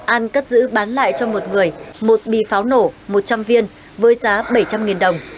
an cất giữ bán lại cho một người một bì pháo nổ một trăm linh viên với giá bảy trăm linh đồng